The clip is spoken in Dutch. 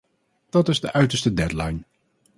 Dat is de uiterste deadline.